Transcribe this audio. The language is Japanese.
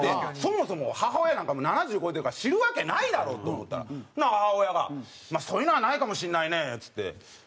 そもそも母親なんか７０超えてるから知るわけないだろうと思ったら母親が「そういうのはないかもしれないね」っつって。